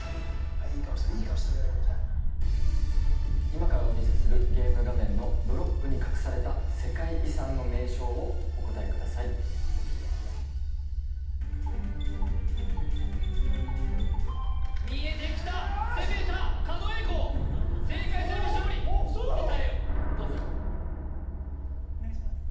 今からお見せするゲーム画面のブロックに隠された世界遺産の名称をお答えください見えてきた攻めた狩野英孝答えをどうぞ・お願いします